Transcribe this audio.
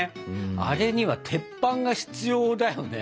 あれには鉄板が必要だよね。